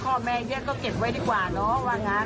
พ่อแม่เยอะก็เก็บไว้ดีกว่าเนาะว่างั้น